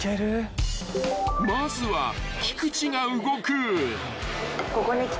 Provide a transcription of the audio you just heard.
［まずは菊地が動く］